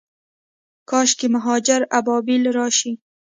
کاشکي مهاجر ابابیل راشي